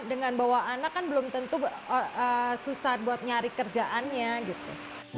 dengan bawa anak kan belum tentu susah buat nyari kerjaannya gitu